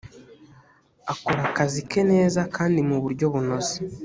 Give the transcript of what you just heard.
akora akazi ke neza kandi mu buryo bunoze